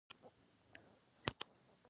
خوب د ماشوم له ژړا وروسته امن دی